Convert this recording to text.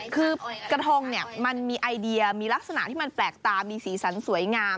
คือกระทงเนี่ยมันมีไอเดียมีลักษณะที่มันแปลกตามีสีสันสวยงาม